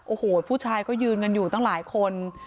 โอ้โหผู้ชายก็ยืนกันอยู่ตั้งหลายคน